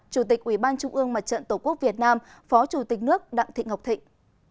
chủ tịch ủy ban trung ương mặt trận tổ quốc việt nam phó chủ tịch nước đặng thị ngọc thịnh